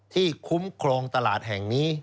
คุ้มครองตลาดแห่งนี้